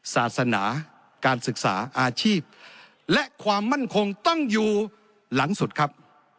ศาสนาการศึกษาอาชีพและความมั่นคงต้องอยู่หลังสุดครับ